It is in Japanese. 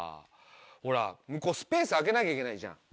ほら向こうスペース空けなきゃいけないじゃん。